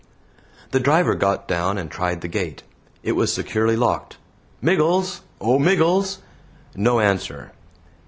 The driver got down and tried the gate. It was securely locked. "Miggles! O Miggles!" No answer.